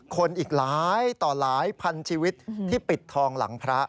คนอีกหลายต่อหลายพันชีวิตที่ปิดทองหลังพระ